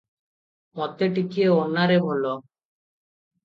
ମତେ ଟିକିଏ ଅନାରେ ଭଲା!